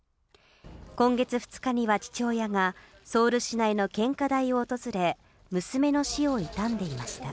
今月２日には父親が、ソウル市内の献花台を訪れ、娘の死を悼んでいました。